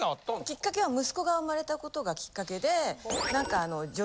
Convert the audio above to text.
きっかけは息子が生まれたことがきっかけで。